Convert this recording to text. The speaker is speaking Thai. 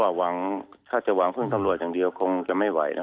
หวังถ้าจะหวังพึ่งตำรวจอย่างเดียวคงจะไม่ไหวนะ